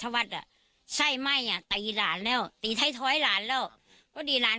ประมาณ๓ครั้งแล้วเจ้าตีละ